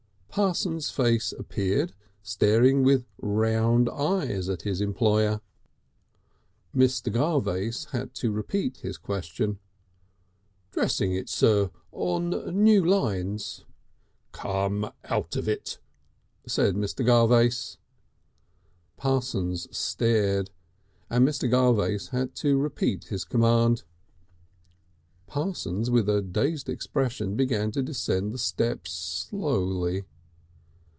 Parsons' face appeared, staring with round eyes at his employer. Mr. Garvace had to repeat his question. "Dressing it, Sir on new lines." "Come out of it," said Mr. Garvace. Parsons stared, and Mr. Garvace had to repeat his command. Parsons, with a dazed expression, began to descend the steps slowly.